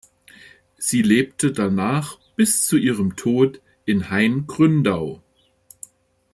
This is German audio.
Sie lebte danach bis zu ihrem Tod in Hain-Gründau.